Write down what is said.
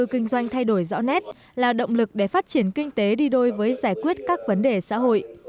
kinh doanh thay đổi rõ nét là động lực để phát triển kinh tế đi đôi với giải quyết các vấn đề xã hội